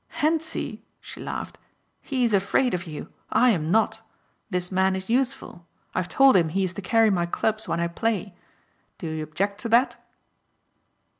"Hentzi," she laughed, "he is afraid of you. I am not. This man is useful. I have told him he is to carry my clubs when I play. Do you object to that?"